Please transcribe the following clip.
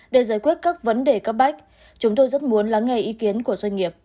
để giải quyết các vấn đề cấp bách chúng tôi rất muốn lắng nghe ý kiến của doanh nghiệp